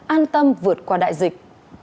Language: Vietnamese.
an tâm vượt qua đại dịch